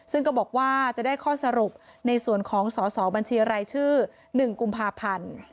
ซึ่งก็บอกว่าจะได้ข้อสรุปในส่วนของสอสอบัญชีรายชื่อ๑กุมภาพันธ์